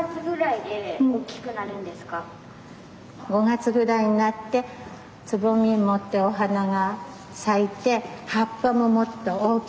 ５月ぐらいになってつぼみ持ってお花が咲いて葉っぱももっと大きくなります。